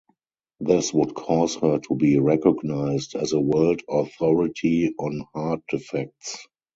This would cause her to be recognized as a world authority on heart defects.